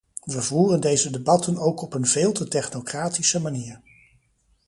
We voeren deze debatten ook op een veel te technocratische manier.